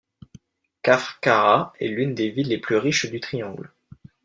Kafr Qara est l’une des villes les plus riches du Triangle.